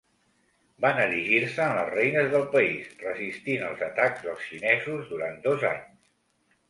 Van erigir-se en les reines del país, resistint els atacs dels xinesos durant dos anys.